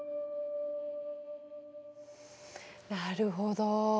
なるほど。